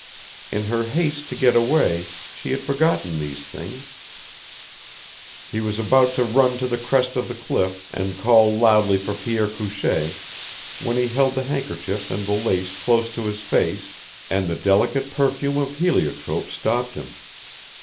In her haste to get away she had forgotten these things. He was about to run to the crest of the cliff and call loudly for Pierre Couchee when he held the handkerchief and the lace close to his face and the delicate perfume of heliotrope stopped him.